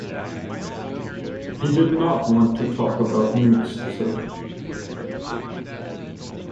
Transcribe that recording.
He did not want to talk about newts, sir.